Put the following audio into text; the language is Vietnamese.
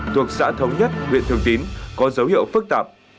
thuộc xã thống nhất huyện thường tín có dấu hiệu phức tạp